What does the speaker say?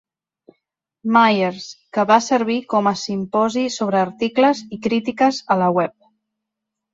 Myers, que va servir com a simposi sobre articles i crítiques a la web.